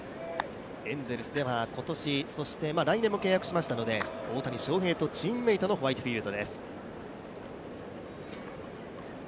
エンゼルスでは今年、そして来年も契約しましたので、大谷翔平とチームメートのホワイトフィールドです。